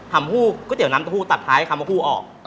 ถามผู้ก็จะนำผู้ตัดท้ายคำว่าผู้ออก